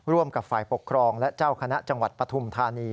ร่วมกับฝ่ายปกครองและเจ้าคณะจังหวัดปฐุมธานี